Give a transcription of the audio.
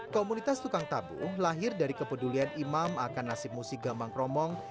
komunitas tukang tabuh lahir dari kepedulian imam akan nasib musik gambang kromong